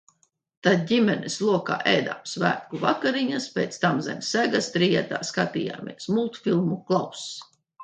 Tad ģimenes lokā ēdām svētku vakariņas, pēc tam zem segas trijatā skatījāmies multfilmu "Klauss".